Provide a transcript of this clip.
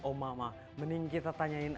oma mending kita tanyain